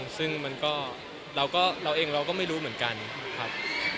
ซึ่งมันก็เราเองเราก็ไม่รู้เหมือนกันครับ